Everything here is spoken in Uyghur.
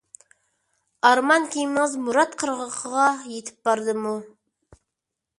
ئارمان كېمىڭىز مۇراد قىرغىقىغا يىتىپ باردىمۇ؟